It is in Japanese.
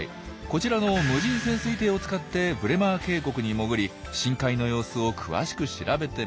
こちらの無人潜水艇を使ってブレマー渓谷に潜り深海の様子を詳しく調べてみたところ。